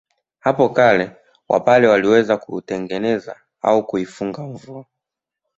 Hapo kale Wapare pia waliweza kutengeneza au kuifunga mvua